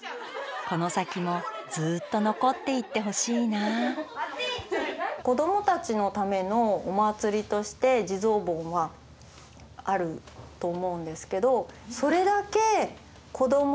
この先もずっと残っていってほしいなあ子どもたちのためのお祭りとして地蔵盆はあると思うんですけどそれだけ子どもをね